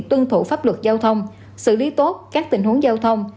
tuân thủ pháp luật giao thông xử lý tốt các tình huống giao thông